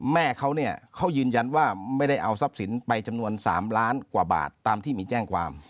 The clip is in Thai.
แม่เขาเนี่ยเขายืนยันว่าไม่ได้เอาทรัพย์สินไปจำนวน๓ล้านกว่าบาทตามที่มีแจ้งความ